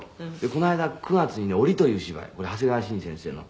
「この間９月にね『檻』という芝居これ長谷川伸先生の」